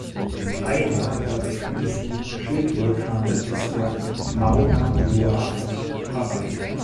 Einer der bekanntesten Schildvulkane ist der Mauna Loa auf Hawaii.